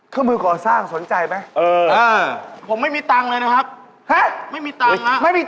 เขามึงก็อาศักดิ์สนใจไหม